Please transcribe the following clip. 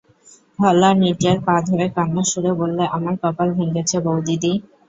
হলা নীরজার পা ধরে কান্নার সুরে বললে, আমার কপাল ভেঙেছে বউদিদি।